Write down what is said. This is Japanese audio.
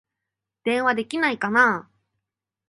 電話できないかな